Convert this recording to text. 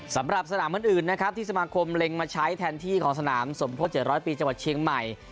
สำหรับสนามอื่นนะครับที่สมาคมเล็งมาใช้แทนที่ของสนามสมโพธิ๗๐๐ปีจังหวัดเชียงใหม่